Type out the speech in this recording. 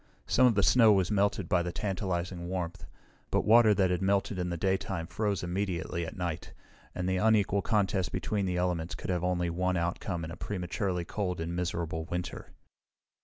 Some of the snow was melted by the tantalizing warmth, but water that had melted in the daytime froze immediately at night, and the unequal contest between the elements could have only one outcome in a prematurely cold and miserable winter.